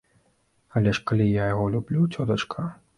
Але ж калі я яго люблю, цётачка.